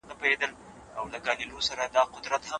راتلونکی د ځوانانو په لاس کي دی.